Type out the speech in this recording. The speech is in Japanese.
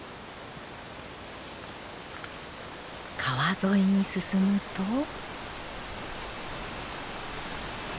川沿いに進むと。